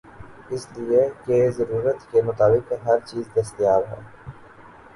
اس لئے کہ ضرورت کے مطابق ہرچیز دستیاب ہے۔